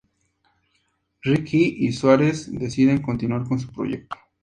Righi y Suárez deciden continuar con su proyecto.